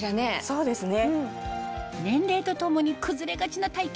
そうですね。